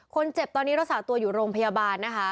คนเจ็บตอนนี้รักษาตัวอยู่โรงพยาบาลนะคะ